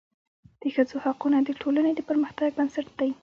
د ښځو حقونه د ټولني د پرمختګ بنسټ دی.